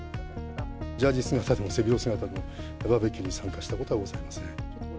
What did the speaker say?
ジャージ姿でも背広姿でも、バーベキューに参加したことはございません。